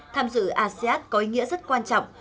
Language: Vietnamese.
tham dự asean có ý nghĩa rất quan trọng